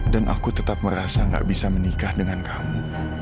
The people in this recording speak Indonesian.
dan aku tetap merasa gak bisa menikah dengan kamu